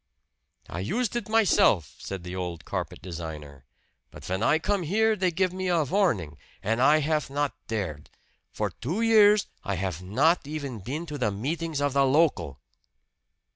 "I used it myself," said the old carpet designer. "But vhen I come here they give me a varning, and I haf not dared. For two years I haf not even been to the meetings of the local."